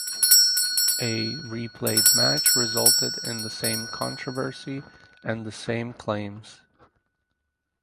A replayed match resulted in the same controversy and the same claims.